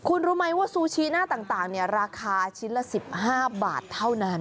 คุณรู้ไหมว่าซูชิหน้าต่างราคาชิ้นละ๑๕บาทเท่านั้น